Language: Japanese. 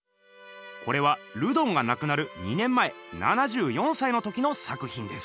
これはルドンがなくなる２年前７４歳の時の作ひんです。